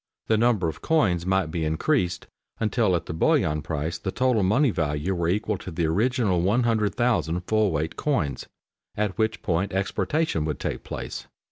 The number of coins might be increased until at the bullion price the total money value were equal to the original 100,000 full weight coins, at which point exportation would take place.